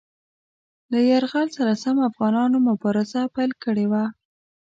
له یرغل سره سم افغانانو مبارزه پیل کړې وه.